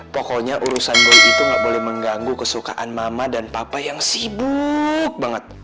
pokonya urusan boy itu ga boleh mengganggu kesukaan mama dan papa yang sibuk banget